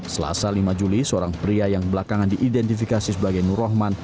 selasa lima juli seorang pria yang belakangan diidentifikasi sebagai nur rahman